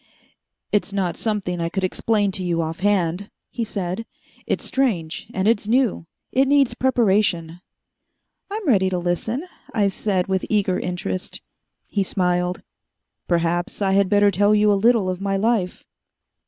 "It's not something I could explain to you off hand," he said. "It's strange and it's new. It needs preparation." "I'm ready to listen," I said with eager interest. He smiled. "Perhaps I had better tell you a little of my life."